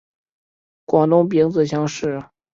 广东丙子乡试。